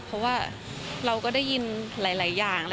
เพราะว่าเราก็ได้ยินหลายอย่าง